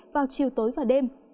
vào chiều tối và đêm